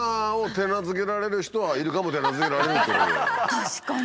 確かに！